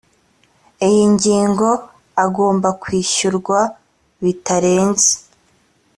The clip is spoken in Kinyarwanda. iyi ngingo agomba kwishyurwa bitarenze